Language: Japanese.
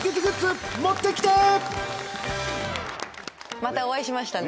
またお会いしましたね。